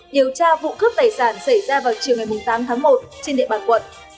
điều tra vụ cướp tài sản xảy ra vào chiều ngày tám tháng một trên địa bàn quận